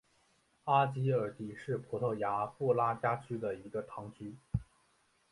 阿吉尔迪是葡萄牙布拉加区的一个堂区。